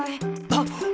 あっ！